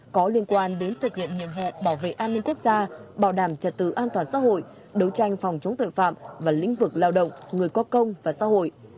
có liên quan đến thực hiện nhiệm vụ bảo vệ an ninh quốc gia bảo đảm trật tự an toàn xã hội đấu tranh phòng chống tội phạm và lĩnh vực lao động người có công và xã hội